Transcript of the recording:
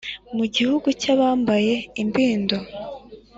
Mu gihugu cyabambaye imbindo